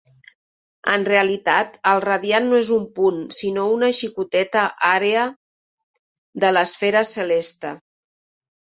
En realitat, el radiant no és un punt, sinó una xicoteta àrea de l'esfera celeste.